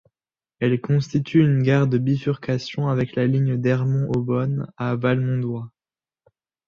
Elle constitue une gare de bifurcation avec la ligne d'Ermont - Eaubonne à Valmondois.